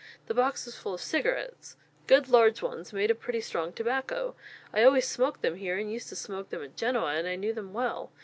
The box was full of cigarettes good large ones, made of pretty strong tobacco; I always smoke them here, and used to smoke them at Genoa, and I knew them well.